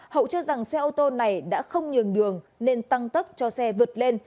hậu cho rằng xe ô tô này đã không nhường đường nên tăng tốc cho xe vượt lên